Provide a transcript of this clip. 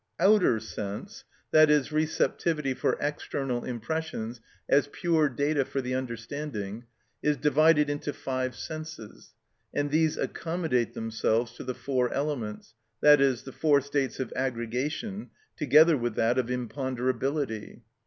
Outer sense, that is, receptivity for external impressions as pure data for the understanding, is divided into five senses, and these accommodate themselves to the four elements, i.e., the four states of aggregation, together with that of imponderability.